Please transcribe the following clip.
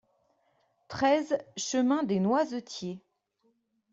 treize chemin Dès Noisetiers